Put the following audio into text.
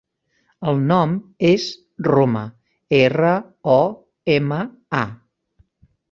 El nom és Roma: erra, o, ema, a.